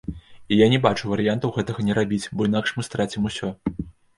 І я не бачу варыянтаў гэтага не рабіць, бо інакш мы страцім усё.